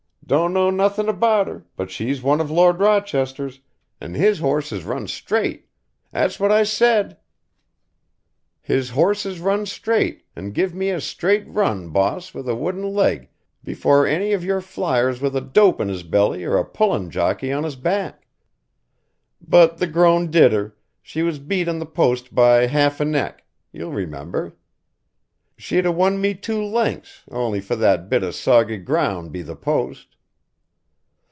Don't know nothin' abaht her, but she's one of Lord Rawchester's, an' his horses run stright' That's what I said 'His horses run stright' and give me a stright run boss with a wooden leg before any of your fliers with a dope in his belly or a pullin' jockey on his back. But the grown' did her, she was beat on the post by haff an 'eck, you'll remember. She'd a won be two lengths, on'y for that bit o' soggy grown' be the post.